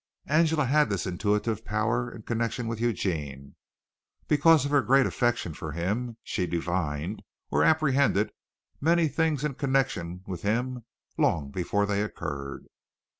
Angela had this intuitive power in connection with Eugene. Because of her great affection for him she divined or apprehended many things in connection with him long before they occurred.